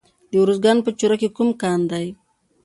د ارزګان په چوره کې کوم کان دی؟